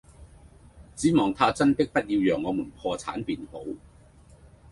只望他真的不要讓我們破產便好！